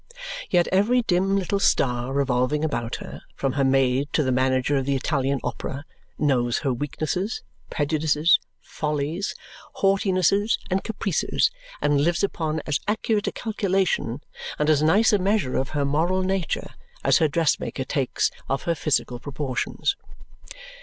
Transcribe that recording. Yet every dim little star revolving about her, from her maid to the manager of the Italian Opera, knows her weaknesses, prejudices, follies, haughtinesses, and caprices and lives upon as accurate a calculation and as nice a measure of her moral nature as her dressmaker takes of her physical proportions.